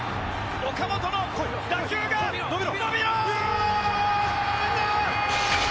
岡本の打球が、伸びろ！